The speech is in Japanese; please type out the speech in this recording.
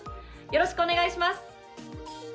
よろしくお願いします。